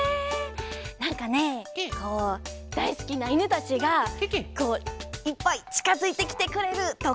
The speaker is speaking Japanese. なんかねこうだいすきないぬたちがこういっぱいちかづいてきてくれるとか。